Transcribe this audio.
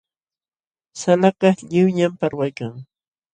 Salakaq lliwñam parwaykan.